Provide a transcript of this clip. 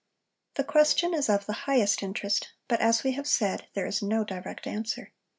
The question is of the highest interest, but as we have said, there is no direct answer.